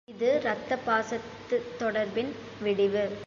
இது ரத்தபாசத் தொடர்பின் விடிவு!